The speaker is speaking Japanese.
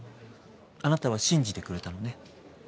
あなたは信じてくれたのね。